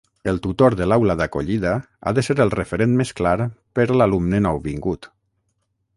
El tutor de l’aula d’acollida ha de ser el referent més clar per l’alumne nouvingut.